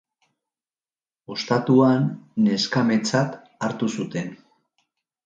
Ostatuan neskametzat hartu zuten.